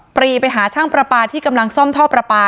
รีไปหาช่างประปาที่กำลังซ่อมท่อประปา